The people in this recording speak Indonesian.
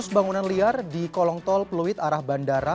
seratus bangunan liar di kolong tol peluit arah bandara